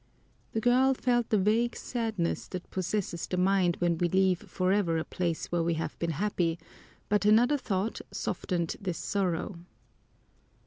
The girl felt the vague sadness that possesses the mind when we leave forever a place where we have been happy, but another thought softened this sorrow.